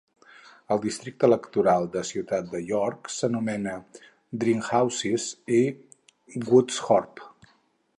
El districte electoral de Ciutat de York s'anomena Dringhouses i Woodthorpe.